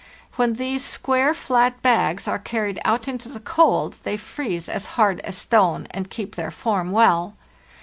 When these square, flat bags are carried out into the cold they freeze as hard as stone, and keep their form well.